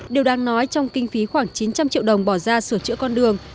điều đáng nói trong kinh phí khoảng chín trăm linh triệu đồng bỏ ra sửa chữa con đường